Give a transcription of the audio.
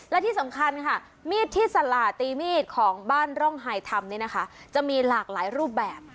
และที่สำคัญค่ะมีดที่สละตีมีดของบ้านร่องไฮธรรมนี่นะคะจะมีหลากหลายรูปแบบ